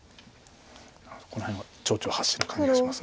この辺は丁々発止な感じがします。